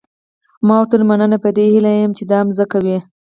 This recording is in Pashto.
ما ورته وویل مننه په دې هیله یم چې دا مځکه وي.